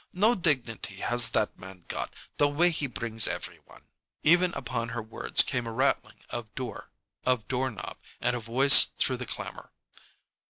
No dignity has that man got, the way he brings every one." Even upon her words came a rattling of door, Of door knob, and a voice through the clamor.